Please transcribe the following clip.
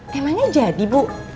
temanya jadi bu